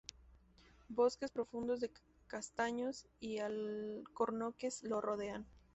Bosques profundos de castaños y alcornoques lo rodean.